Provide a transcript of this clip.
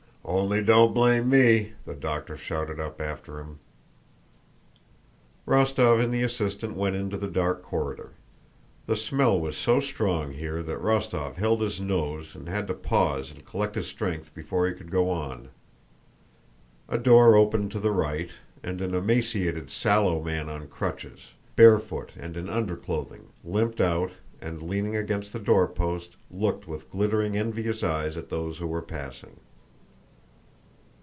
"Only don't blame me!" the doctor shouted up after him. Rostóv and the assistant went into the dark corridor. The smell was so strong there that Rostóv held his nose and had to pause and collect his strength before he could go on. A door opened to the right, and an emaciated sallow man on crutches, barefoot and in underclothing, limped out and, leaning against the doorpost, looked with glittering envious eyes at those who were passing.